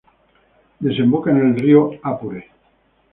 Desemboca en el río Apure.